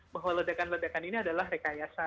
bahwa ledakan ledakan ini adalah rekayasa